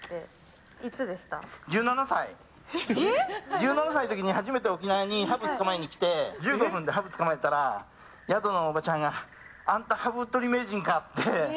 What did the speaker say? １７歳の時に初めて沖縄にハブを捕まえに来て１５分でハブを捕まえたら宿のおばちゃんがあんたハブとり名人かって。